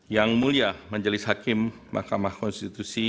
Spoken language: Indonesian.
yang mulia majelis hakim mahkamah konstitusi